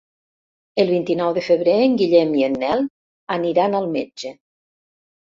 El vint-i-nou de febrer en Guillem i en Nel aniran al metge.